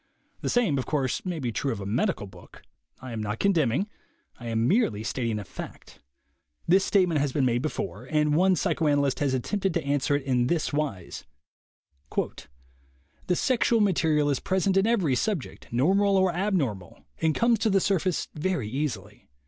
The same, of course, may be true of a medical book. I am not condemning. I am merely stating a fact. This statement has been made before, and one 90 THE WAY TO WILL POWER psychoanalyst has attempted to answer it in this wise: "The sexual material is present in every subject, normal or abnormal, and comes to the sur face very easily.